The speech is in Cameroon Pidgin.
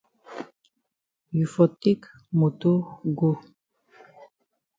You for take moto go.